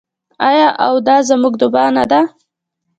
آیا او دا زموږ دعا نه ده؟